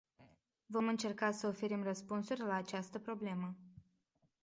Vom încerca să oferim răspunsuri la această problemă.